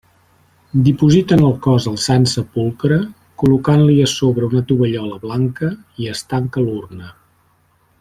Dipositen el cos al Sant Sepulcre, col·locant-li a sobre una tovallola blanca i es tanca l'urna.